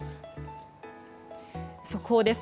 速報です。